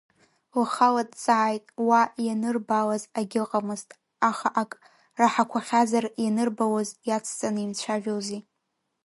Лхала дҵааит, уа ианырбалаз агьыҟамызт, аха ак раҳақәахьазар ианырбалоз иацҵаны имцәажәози.